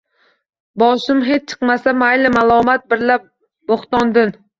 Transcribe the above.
Boshim hech chiqmasa mayli malomat birla bo’htondin